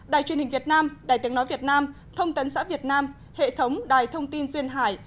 đài truyền hình việt nam đài tiếng nói việt nam thông tấn xã việt nam hệ thống đài thông tin duyên hải